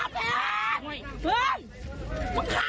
เข้ามา